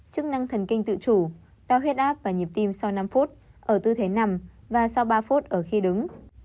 chức năng thần kinh tự chủ đo huyết áp và nhịp tim sau năm phút ở tư thế nằm và sau ba phút ở khi đứng